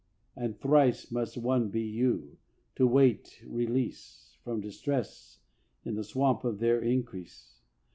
And thrice must one be you, to wait release From duress in the swamp of their increase.